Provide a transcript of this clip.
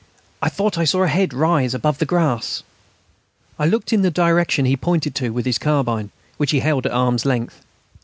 I thought I saw a head rise above the grass...." I looked in the direction he pointed to with his carbine, which he held at arm's length.